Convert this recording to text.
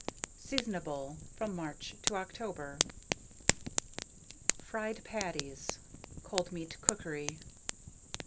Seasonable from March to October. FRIED PATTIES (Cold Meat Cookery). 896.